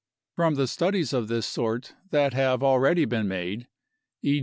From the studies of this sort that have already been made (e.